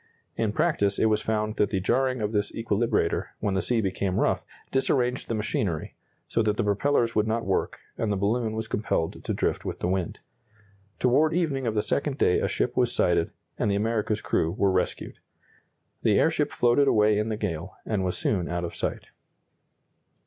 In practice it was found that the jarring of this equilibrator, when the sea became rough, disarranged the machinery, so that the propellers would not work, and the balloon was compelled to drift with the wind. Toward evening of the second day a ship was sighted, and the America's crew were rescued. The airship floated away in the gale, and was soon out of sight.